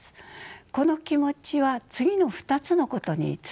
この気持ちは次の２つのことにつながります。